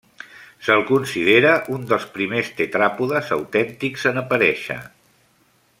Se'l considera un dels primers tetràpodes autèntics en aparèixer.